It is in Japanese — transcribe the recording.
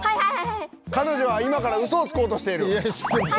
かのじょは今からウソをつこうとしている！